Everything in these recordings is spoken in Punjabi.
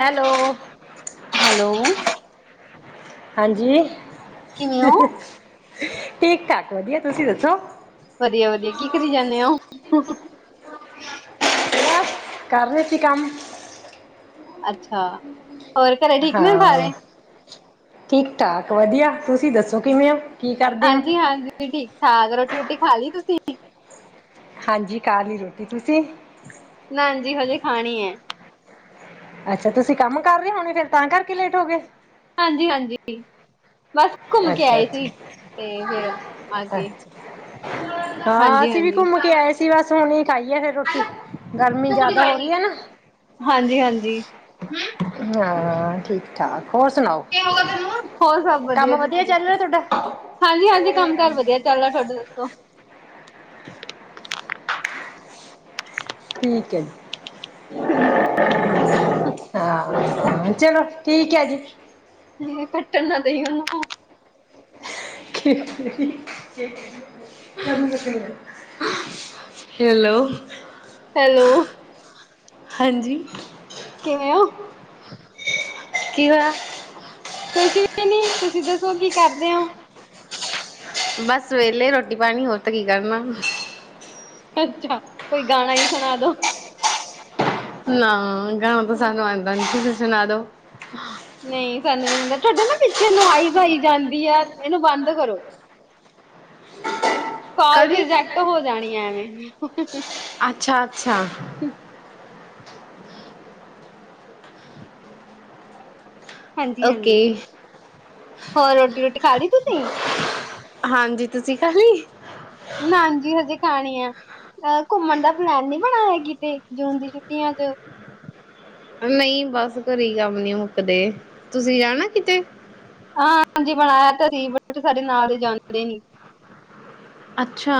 Hello hello. ਹਾਂਜੀ। ਕਿਵੇਂ ਹੋ ਠੀਕ ਠਾਕ ਵਧੀਆ ਤੁਸੀਂ ਦੱਸੋ ਹੁ। ਕਰ ਰਹੇ ਸੀ ਕੰਮ। ਅੱਛਾ। ਹੋਰ ਘਰੇ ਠੀਕ ਨੇ ਸਾਰੇ ਹਾਂ ਠੀਕ ਠਾਕ। ਵਧੀਆ ਤੁਸੀਂ ਦੱਸੋ ਕਿਵੇਂ ਹੋ? ਕੀ ਕਰਦੇ ਹੋ ਹਾਂਜੀ ਹਾਂਜੀ ਠੀਕ ਠਾਕ ਰੋਟੀ ਰੋਟੀ ਖਾਲੀ ਤੁਸੀਂ। ਹਾਂਜੀ ਖਾਲੀ ਰੋਟੀ ਤੁਸੀਂ ਨਜੀ ਹਜੇ ਖਾਣੀ ਹੈ। ਅੱਛਾ ਤੁਸੀਂ ਕੰਮ ਕਰ ਰਹੇ ਹੋਣੇ ਫੇਰ ਤਾਂ ਕਰਕੇ ਲੇਟ ਹੋ ਗਏ। ਹਾਂਜੀ ਹਾਂਜੀ। ਬਸ ਘੁੰਮ ਕੇ ਅੱਛਾ ਆਏ ਸੀ। ਅੱਛਾ ਤੇ ਫਿਰ ਆ ਕੇ ਅੱਛਾ ਹਾਂ ਅਸੀਂ ਵੀ ਹਾਂਜੀ ਹਾਂਜੀ ਘੁੰਮ ਕੇ ਆਏ ਸੀ ਬਸ ਹੁਣੇ ਖਾਈਏ ਫਿਰ ਰੋਟੀ ਗਰਮੀ ਜ਼ਿਆਦਾ ਹੋ ਰਹੀ ਹੈ ਨਾ ਹਾਂਜੀ ਹਾਂਜੀ। ਹਾਂ ਠੀਕ ਠਾਕ। ਹੋਰ ਸੁਣਾਓ ਹੋ ਹੋਰ ਸਭ ਕੰਮ ਵਧੀਆ ਤੁਸੀਂ ਚੱਲ ਰਿਹਾ ਤੁਹਾਡਾ ਦਸੋ ਹਾਂਜੀ ਹਾਂਜੀ ਕੰਮ ਕਾਰ ਵਧੀਆ ਚੱਲਦਾ ਤੁਹਾਡਾ ਦੱਸੋ [inaudible] ਠੀਕ ਹੈ ਜੀ ਹਾਂ ਚਲੋ ਠੀਕ ਹੈ ਜੀ ਕੱਟਣ ਨਾ ਉਹਨੂੰ ਹੈਲੋ ਹੈਲੋ ਹਾਂਜੀ ਕਿਵੇਂ ਹੋ ਕੀ ਹੋਯਾ ਕੁਛ ਵੀ ਨੀ ਤੁਸੀਂ ਦੱਸੋ ਕੀ ਕਰਦੇ ਹੋ ਬਸ ਵੇਲੇ ਰੋਟੀ ਪਾਣੀ ਹੋਰ ਤਾਂ ਕੀ ਕਰਨਾ ਅੱਛਾ ਕੋਈ ਗਾਣਾ ਹੀ ਸੁਣਾ ਦੋ ਨਾ ਤਾਂ ਸਾਨੂੰ ਆਉਂਦਾ ਤੁਸੀਂ ਸੁਣਾ ਦੋ ਹ ਨਹੀਂ ਸਾਨੂੰ ਵੀ ਨਹੀ ਆਦਾ, ਤੁਹਾਡੇ ਨਾ ਪਿੱਛੇ ਨੁਈ ਪਾਈ ਜਾਂਦੀ ਆ ਇਹਨੂੰ ਬੰਦ ਕਰੋ ਕਾਲ ਕਦੀ ਰਿਜੈਕਟ ਹੋ ਜਾਣੀ ਹੈ ਐਵੇਂ ਅੱਛਾ ਅੱਛਾ ਹਾਂਜੀ ਓਕੇ ਹਾਂਜੀ ਹੋਰ ਰੋਟੀ ਰੋਟੀ ਖਾ ਦੀ ਤੁਸੀਂ ਹਾਂਜੀ ਤੁਸੀਂ ਖਾ ਲਈ? ਨਾਜੀ, ਹਜੇ ਖਾਣੀ ਆ ਅਹ ਘੁੰਮਣ ਦਾ ਪਲੈਨ ਨੀ ਬਣਾਇਆ ਹੈ ਕਿਤੇ ਜੂਨ ਦੀ ਛੁੱਟੀਆਂ ਚ, ਨਹੀਂ ਬਸ ਘਰੇ ਕੰਮ ਨੀ ਮੁੱਕਦੇ, ਤੁਸੀਂ ਜਾਣਾ ਕਿਤੇ? ਹਾਂ, ਹਾਂਜੀ ਬਣਾਇਆ ਤਾਂ ਸੀ ਬਟ ਸਾਡੇ ਨਾਲ ਤੇ ਜਦੇ ਨੀ। ਅੱਛਾ,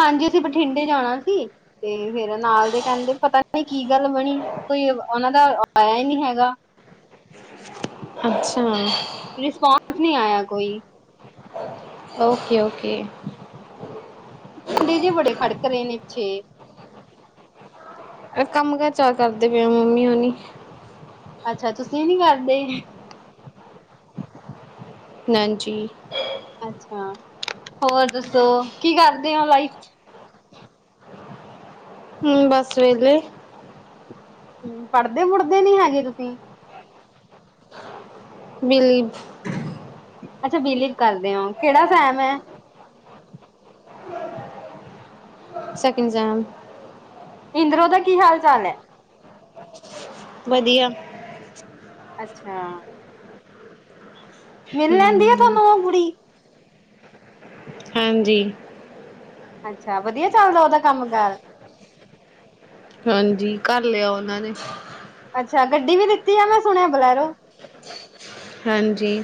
ਹਾਂਜੀ ਅਸੀਂ ਬਠਿੰਡੇ ਜਾਣਾ ਸੀ ਤੇ, ਫੇਰ ਨਾਲ ਦੇ ਕਹਿੰਦੇ ਪਤਾ ਕੀ ਗੱਲ ਬਣੀ ਕੋਈ ਉਹਨਾ ਦੀ, ਆਇਆ ਨਹੀਂ ਹੈਗਾ। ਅੱਛਾ, ਕੁ ਨਹੀਂ ਆਇਆ ਕੋਈ, ਓਕੇ ਓਕੇ, ਡੇ ਜੇ ਬੜੇ ਖੜਕ ਰਹੇ ਨੇ ਪਿੱਛੇ, ਕੰਮ ਕਾਰ ਚਾਰ ਕਰਦੇ ਪਏ ਮੰਮੀ ਔਣੀ, ਅੱਛਾ ਤੁਸੀਂ ਨੀ ਕਰਦੇ? [unintelligible] ਜੀ, ਅੱਛਾ ਹੋਰ ਦੱਸੋ ਕੀ ਕਰਦੇ ਹੋ ਲਾਈਫ? [inaudible] ਹੂੰ, ਬਸ ਵੇਹਲੇ, ਹੂੰ ਪੜਦੇ ਪੁੜਦੇ ਨੀ ਹੈਗੇ ਤੁਸੀਂ? ਬਿਲ, ਅੱਛਾ, ਬਿਲੀਵ ਕਰਦੇ ਕਿਹੜਾ ਫੈਮ ਹੈ। ਸੈਕਿੰਡ ਸੇਮ, ਇੰਦਰੋ ਦਾ ਕੀ ਹਾਲ ਚਾਲ ਐ? ਵਧੀਆ, ਅੱਛਾ, ਮਿਲ ਲੈਂਦੀ ਆ ਹਮ ਤੁਹਾਨੂੰ ਉਹ ਕੁੜੀ? ਹਾਂਜੀ, ਅੱਛਾ, ਵਧੀਆ ਚੱਲਦਾ ਉਹਦਾ ਕੰਮ ਕਾਰ? ਹਾਂਜੀ ਘਰ ਲਿਆ ਉਹਨਾਂ ਨੇ, ਅੱਛਾ, ਗੱਡੀ ਵੀ ਲਤੀ ਆ ਮੈਂ ਸੁਣਿਆ ਬਲੈਰੋ। ਹਾਂਜੀ,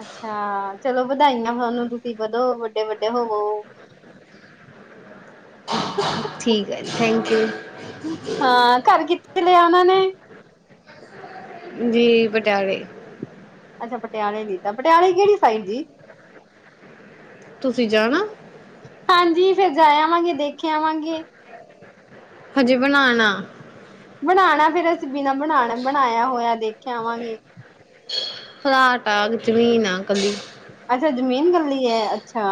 ਅੱਛਾ ਚਲੋ, ਵਧਾਈਆਂ ਹੋਨ ਤੁਸੀਂ ਵਧੋ। ਵੱਡੇ-ਵੱਡੇ ਹੋਵੋ, [unintelligible] ਠੀਕ ਹੈ ਜੀ ਥੈਂਕ ਯੂ, ਹਾਂ ਘਰ ਕਿੱਥੇ ਲਿਆ ਉਹਨਾਂ ਨੇ? ਜੀ ਪਟਿਆਲੇ, ਅੱਛਾ, ਪਟਿਆਲੇ ਦੀ ਤਾਂ ਪਟਿਆਲੇ ਕਿਹੜੀ ਸਾਈਡ ਜੀ। ਤੁਸੀਂ ਜਾਣਾ, ਹਾਂਜੀ ਫਿਰ ਜਾਏ ਆਵਾਂਗੇ ਦੇਖੇ ਆਵਾਂਗੇ ਹਜੇ ਬਣਾਉਣਾ ਬਣਾਉਣਾ ਫੇਰ ਅਸੀਂ ਬਿਨਾਂ ਬਣਾ ਬਣਾਇਆ ਹੋਇਆ ਦੇਖਿਆਵਾਂਗੇ ਫਲਾਟ ਆ ਜ਼ਮੀਨ ਆ ਕੱਲੀ ਅੱਛਾ ਜਮੀਨ ਕਲੀ ਹੈ ਅੱਛਾ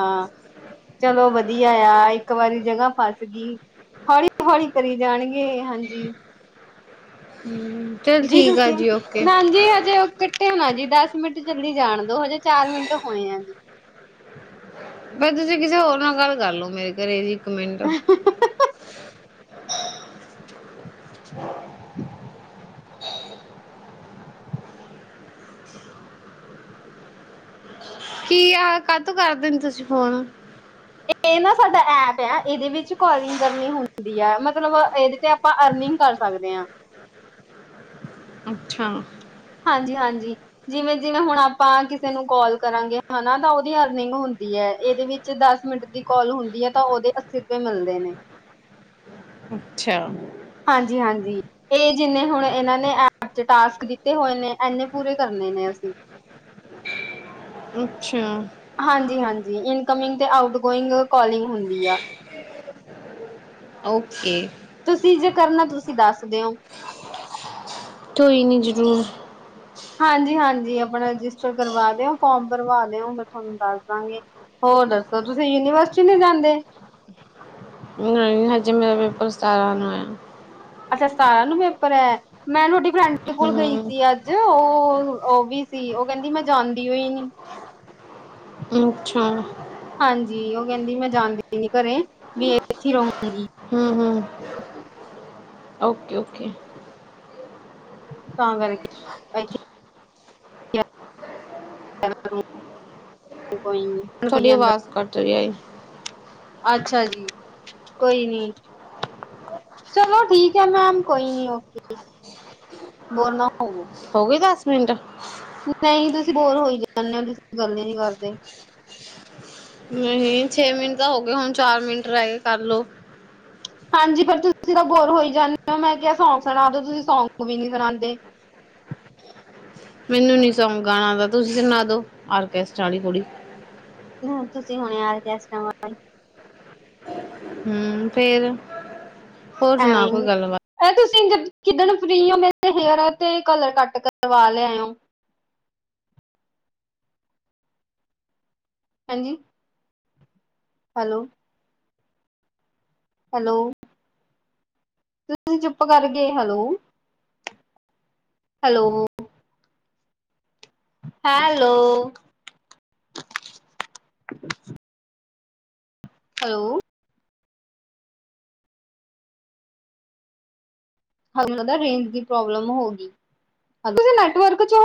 ਚਲੋ ਵਧੀਆ ਆ ਇੱਕ ਵਾਰੀ ਜਗ੍ਹਾ ਫਸ ਗਈ ਹੌਲੀ ਹੌਲੀ ਕਰੀ ਜਾਣਗੇ ਹਾਂਜੀ ਹਮ ਜੀ ਤੁਸੀਂ ਨਾ ਜੀ ਹਜੇ ਹੋਣਾ ਜੀ ਦਸ ਮਿੰਟ ਜਲਦੀ ਜਾਣ ਦੋ ਹਜੇ ਚਾਰ ਮਿੰਟ ਹੋਏ ਆ ਜੀ ਬ ਤੁਸੀਂ ਕਿਸੇ ਹੋਰ ਨਾਲ ਗੱਲ ਕਰਲੋ ਮੇਰੇ ਘਰੇ ਜੀ [unintelligible] [inaudible] ਕੀ ਆ ਕਦ ਕਰਦੇਣੀ ਤੁਸੀਂ ਫੋਨ ਇਹ ਨਾ ਸਾਡਾ ਐਪ ਆ ਇਹਦੇ ਵਿੱਚ ਕਾਲਿੰਗ ਕਰਨੀ ਹੁੰਦੀ ਹੈ ਮਤਲਬ ਮਤਲਬ ਇਹਦੇ ਤੇ ਆਪਾਂ ਅਰਨਿੰਗ ਕਰ ਸਕਦੇ ਹਾਂ ਅੱਛਾ ਹਾਂਜੀ ਹਾਂਜੀ ਜਿਵੇਂ ਜਿਵੇਂ ਹੁਣ ਆਪਾਂ ਕਿਸੇ ਨੂੰ ਕਾਲ ਕਰਾਂਗੇ ਹਨਾ ਤਾਂ ਉਹਦੀ ਅਰਨਿੰਗ ਹੁੰਦੀ ਇਹਦੇ ਵਿੱਚ ਦਸ ਮਿੰਟ ਦੀ ਕਾਲ ਹੁੰਦੀ ਹੈ ਤਾਂ ਉਹਦੇ ਅੱਸੀ ਰੁਪਏ ਮਿਲਦੇ ਨੇ ਅੱਛਾ। ਹਾਂਜੀ ਹਾਂਜੀ। ਇਹ ਜਿੰਨੇ ਹੁਣ ਇਹਨਾਂ ਨੇ ਚ ਟਾਸਕ ਦਿੱਤੇ ਹੋਏ ਨੇ ਇਨੇ ਪੂਰੇ ਕਰਨੇ ਨੇ ਅਸੀਂ। ਅੱਛਾ। ਹਾਂਜੀ ਹਾਂਜੀ ਇਨਕਮਿੰਗ ਤੇ ਆਊਟ ਗੋਇੰਗ ਕੋਾਲਿੰਗ ਹੁੰਦੀ ਆ। ਓਕੇ। ਤੁਸੀਂ ਜੇ ਕਰਨਾ ਤੁਸੀਂ ਦੱਸਦੇ ਹੋ। ਕੋਈ ਨਹੀਂ ਜ਼ਰੂਰ। ਹਾਂਜੀ ਹਾਂਜੀ ਆਪਣਾ ਰਜਿਸਟਰ ਕਰਵਾ ਦਿਓ ਫੋਮ ਭਰਵਾ ਦਿਓ ਮੈਂ ਤੁਹਾਨੂੰ ਦੱਸ ਦਵਾਂਗੀ ਹੋਰ ਦੱਸੋ ਤੁਸੀਂ ਯੂਨੀਵਰਸਿਟੀ ਨਹੀਂ ਜਾਂਦੇ? ਹਜੇ ਮੇਰਾ ਪੇਪਰ ਸਤਾਰਾਂ ਨੂੰ ਹੈ। ਅੱਛਾ ਸਤਾਰਾਂ ਨੂੰ ਪੇਪਰ ਹੈ ਮੈਂ ਤੁਹਾਡੀ ਬਰਾਂਡੇ ਕੋਲ ਗਈ ਹਮ ਸੀ ਅੱਜ ਉਹ ਉਹ ਵੀ ਸੀ ਉਹ ਕਹਿੰਦੀ ਮੈਂ ਜਾਦੀ ਹੋਈ ਨੀ ਅੱਛਾ। ਹਾਂਜੀ ਉਹ ਕਹਿੰਦੀ ਮੈਂ ਜਾਣਦੀ ਨ ਘਰੇ ਵੀ ਇਹ ਇੱਥੇ ਰਹੂਗੀ ਹੂੰ ਹੂੰ ਓਕੇ ਓਕੇ। ਤਾਂ ਕਰ ਕੇ ਕੋਈ ਨੀ ਕਹੀ ਤੁਹਾਡੀ ਜਾਂਦਾ ਆਵਾਜ਼ ਕੱਟ ਰਹੀ ਆਏ। ਅੱਛਾ ਜੀ, ਕੋਈ ਨੀ ਚਲੋ ਠੀਕ ਹੈ, ਮੈਮ ਕੋਈ ਨੀ ਓਕੇ ਬੋਲਣਾ ਹੋ ਹੋ ਗਈ ਦਸ ਮਿੰਟ। ਨਹੀਂ ਤੁਸੀਂ ਬੋਰ ਹੋਈ ਜਾਂਦੇ ਹੋ, ਤੁਸੀਂ ਗੱਲ ਹੀ ਨਹੀਂ ਕਰਦੇ। ਨਹੀਂ ਛੇ ਮਿੰਟ ਤਾਂ ਹੋ ਗਏ, ਹੁਣ ਚਾਰ ਮਿੰਟ ਰਹਿ ਗਏ ਕਰ ਲੋ। ਹਾਂਜੀ, ਪਰ ਤੁਸੀਂ ਤਾਂ ਬੋਰ ਹੋਈ ਜਾਂਦੇ ਹੋ, ਮੈਂ ਕਿਹਾ ਸੌਂਗ ਸੁਣਾਦੇ ਤੁਸੀਂ ਸੌਂਗ ਵੀ ਨਹੀਂ ਸੁਣਾਉਦੇ। ਮੈਨੂੰ ਨੀ ਸੌਂਗ ਗਾਣਾ ਆਉਦਾ, ਤੁਸੀਂ ਸੁਣਾ ਦੋ, ਆਰਕੈਸਟ ਵਾਲੀ ਕੁੜੀ। ਤੁਸੀਂ ਹੁਣ ਯਾਰ ਕਿਸ੍ਹਾਂ ਹਮ ਫਿਰ ਹੋਰ ਸੁਣਾ ਕੋਈ ਗੱਲਬਾਤ। ਕਿਦਣ ਫਰੀ ਓ, ਮੇਰੇ ਹੇਅਰ ਤੇ ਕਲਰ ਕੱਟ ਕਰਵਾ ਲਿਆ ਆ। ਹਾਂਜੀ। ਹੈਲੋ। ਹੈਲੋ, ਤੁਸੀਂ ਚੁੱਪ ਕਰ ਗ hello. Hello. Hello. Hello. Range ਦੀ ਪ੍ਰੋਬਲਮ ਹੋ ਗੈਟਵਰਕ ਚ